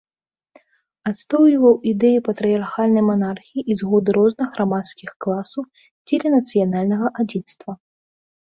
Адстойваў ідэі патрыярхальнай манархіі і згоды розных грамадскіх класаў дзеля нацыянальнага адзінства.